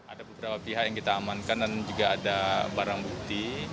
ada beberapa pihak yang kita amankan dan juga ada barang bukti